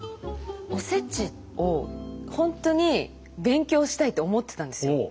おせちを本当に勉強したいって思ってたんですよ。